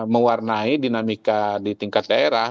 mewarnai dinamika di tingkat daerah